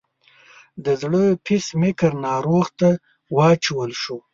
د زړه پیس میکر ناروغ ته واچول شو.